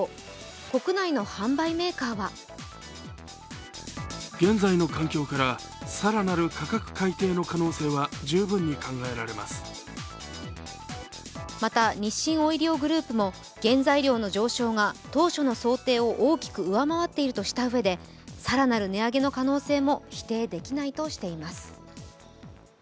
国内の販売メーカーはまた、日清オイリオグループも原材料の上昇が当初の想定を大きく上回っているとしたうえで更なる値上げの可能性も否定できないとしています。